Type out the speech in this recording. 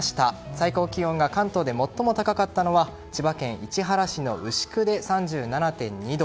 最高気温が関東で最も高かったのは千葉県市原市の牛久で３７．２度。